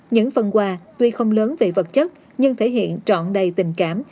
những phần quà tuy không lớn về vật chất nhưng thể hiện trọn đầy tình cảm